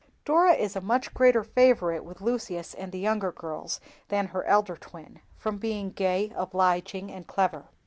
Dora is a much greater favorite with Lucius and the younger girls than the elder twin, from being gay, obliging, and clever.